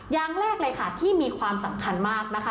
อย่างแรกเลยค่ะที่มีความสำคัญมากนะคะ